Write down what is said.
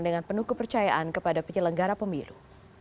dengan penuh kepercayaan kepada penyelenggara pemilu